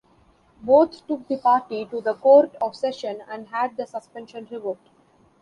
Both took the party to the Court of Session and had the suspension revoked.